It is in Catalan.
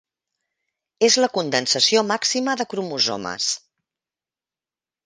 És la condensació màxima de cromosomes.